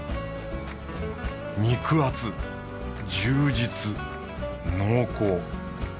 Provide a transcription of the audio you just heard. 肉厚充実濃厚。